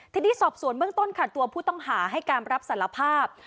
ทีนี้สอบสวนเบื้องต้นค่ะตัวผู้ต้องหาให้การรับสารภาพ